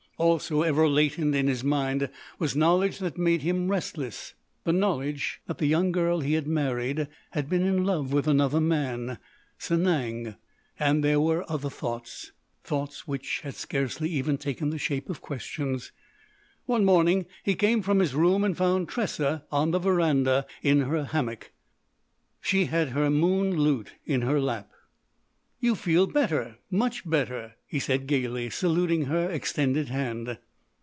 Also, ever latent in his mind, was knowledge that made him restless—the knowledge that the young girl he had married had been in love with another man: Sanang. And there were other thoughts—thoughts which had scarcely even taken the shape of questions. One morning he came from his room and found Tressa on the veranda in her hammock. She had her moon lute in her lap. "You feel better—much better!" he said gaily, saluting her extended hand.